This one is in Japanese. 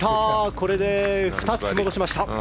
これで２つ戻しました。